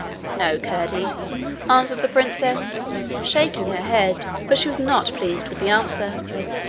'No, Curdie,' answered the princess, shaking her head, for she was not pleased with the answer.